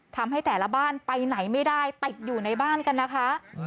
ทำให้แต่ละบ้านไปไหนไม่ได้ติดอยู่ในบ้านกันนะคะ